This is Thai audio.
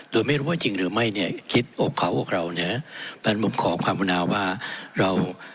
โดยไม่รู้ว่าจริงหรือไม่เนี่ยคิดอกเขาอกเรานะฮะเพราะฉะนั้นผมขอความอุณาว่าเรา